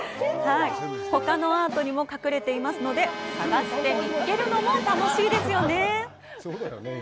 ほかのアートにも隠れていますので、探して見つけるのも楽しいですよね！